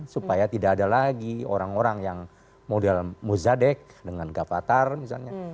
supaya tidak ada lagi orang orang yang model muzadek dengan gavatar misalnya